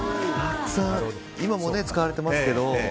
今も使われてますけど。